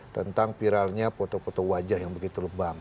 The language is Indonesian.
tentang viralnya foto foto wajah yang begitu lebam